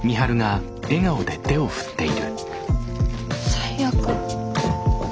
最悪。